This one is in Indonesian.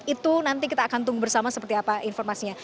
itu nanti kita akan tunggu bersama seperti apa informasinya